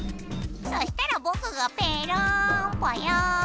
そしたらぼくがペロンぽよ。